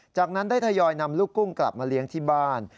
จากนั้นได้ทยอยนำลูกกุ้งกลับมาเลี้ยงที่บ้าน